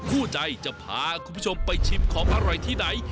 คู่ใจจะพาคุณผู้ชมไปชิมของอร่อยที่ไหน